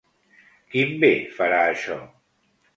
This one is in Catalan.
Quin bé farà això?